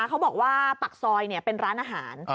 เขาบอกว่าปากซอยเป็นร้านอาหาร